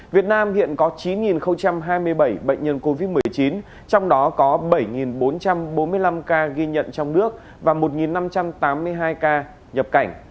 việt nam hiện có chín hai mươi bảy bệnh nhân covid một mươi chín trong đó có bảy bốn trăm bốn mươi năm ca ghi nhận trong nước và một năm trăm tám mươi hai ca nhập cảnh